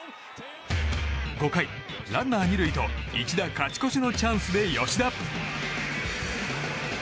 ５回、ランナー２塁と一打勝ち越しのチャンスで吉田。